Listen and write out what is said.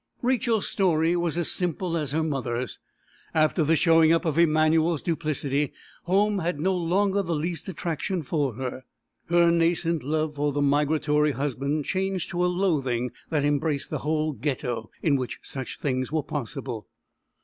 Rachel's story was as simple as her mother's. After the showing up of Emanuel's duplicity, home had no longer the least attraction for her. Her nascent love for the migratory husband changed to a loathing that embraced the whole Ghetto in which such things were possible.